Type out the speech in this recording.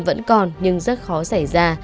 vẫn còn nhưng rất khó xảy ra